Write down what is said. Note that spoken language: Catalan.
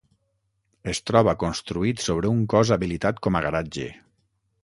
Es troba construït sobre un cos habilitat com a garatge.